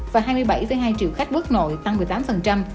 và hai mươi bảy hai triệu khách quốc nội tăng một mươi tám